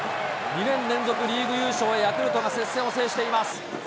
２年連続リーグ優勝、ヤクルトが接戦を制しています。